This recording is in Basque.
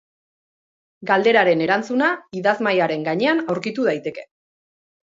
Galderaren erantzuna idazmahaiaren gainean aurkitu daiteke.